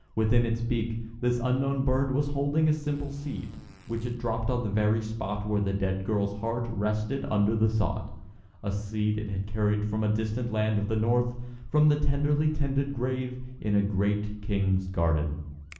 Within its beak this unknown bird was holding a simple seed, which it dropped on the very spot where the dead girl's heart rested under the sod a seed it had carried from a distant land of the north from the tenderly tended grave in a great king's garden.